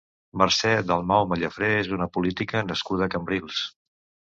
Mercè Dalmau Mallafré és una política nascuda a Cambrils.